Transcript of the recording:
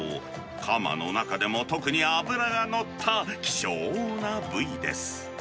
カマの中でも特に脂が乗った希少な部位です。